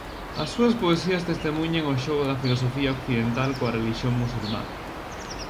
As súas poesías testemuñan o xogo da filosofía occidental coa relixión musulmá.